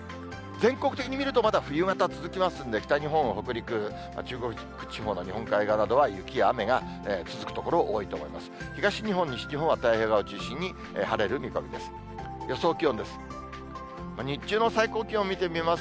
全国的に見ると、まだ冬型続きますので、北日本、北陸、中国地方の日本海地方などは、雪や雨が続く所多いと思います。